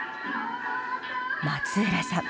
松浦さん